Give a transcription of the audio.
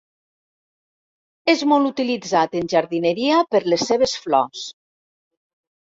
És molt utilitzat en jardineria per les seves flors.